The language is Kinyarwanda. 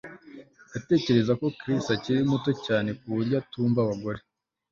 Ndatekereza ko Chris akiri muto cyane kuburyo atumva abagore